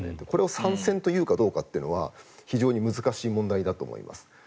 これを参戦というかどうかというのは非常に難しい問題だと思います。